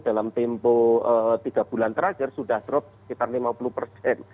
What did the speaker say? dalam tempo tiga bulan terakhir sudah drop sekitar lima puluh